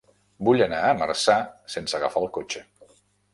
Vull anar a Marçà sense agafar el cotxe.